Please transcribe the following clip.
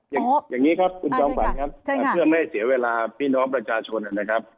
อย่างนี้ครับคุณจอมขวัญครับเพื่อไม่ให้เสียเวลาพี่น้องประชาชนนะครับ